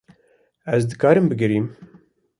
Ez dikarim bigirim